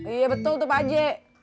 iya betul tepa aji